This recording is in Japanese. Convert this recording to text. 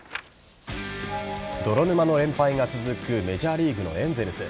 泥沼の連敗が続くメジャーリーグのエンゼルス。